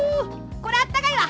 これはあったかいわ。